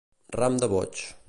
Ram de boig.